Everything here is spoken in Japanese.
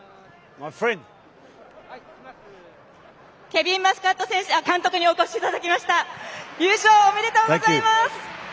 ケヴィン・マスカット監督にお越しいただきました。